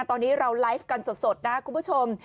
ตอนนี้เราไลฟ์กันสดนะครับคุณผู้ชม